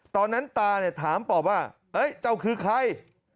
ตอนนั้นตาเนี่ยถามปอบว่าเจ้าคือใคร